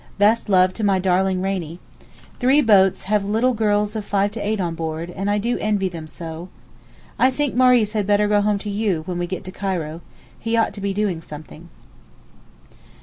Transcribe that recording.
Best love to my darling Rainie. Three boats have little girls of five to eight on board, and I do envy them so. I think Maurice had better go home to you, when we get to Cairo. He ought to be doing something.